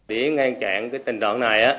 điện ngang chạm tình đoạn này